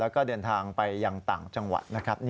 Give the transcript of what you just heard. แล้วก็เดินทางไปยังต่างจังหวัดนะครับ